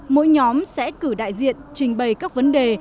mỗi nhóm sẽ cử đại diện trình bày các vấn đề